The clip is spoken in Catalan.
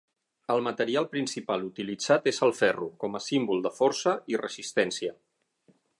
El material principal utilitzat és el ferro, com a símbol de força i resistència.